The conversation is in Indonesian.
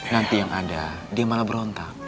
nanti yang ada dia malah berontak